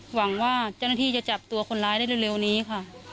หวังว่าเจ้าหน้าที่จะจับตัวคนร้ายได้เร็วนี้ค่ะ